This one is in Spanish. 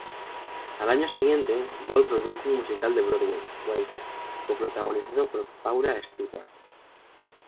Al año siguiente, Ball produjo un musical de Broadway, "Wildcat", coprotagonizado por Paula Stewart.